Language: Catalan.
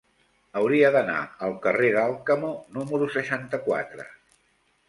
Hauria d'anar al carrer d'Alcamo número seixanta-quatre.